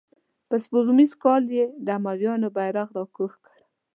په سپوږمیز کال یې د امویانو بیرغ را کوز کړ.